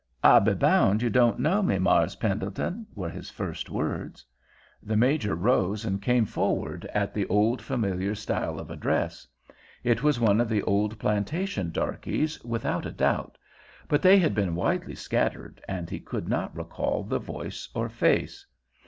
"I be bound you don't know me, Mars' Pendleton," were his first words. The Major rose and came forward at the old, familiar style of address. It was one of the old plantation darkeys without a doubt; but they had been widely scattered, and he could not recall the voice or face.